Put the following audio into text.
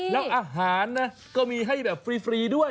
แล้วอาหารก็มีให้ฟรีด้วย